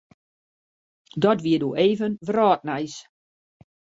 Dat wie doe even wrâldnijs.